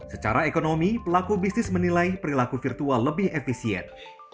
secara ekonomi pelaku bisnis menilai perilaku virtual lebih efisien